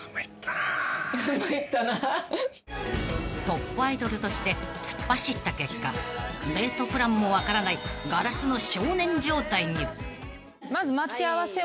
［トップアイドルとして突っ走った結果デートプランも分からない硝子の少年状態に］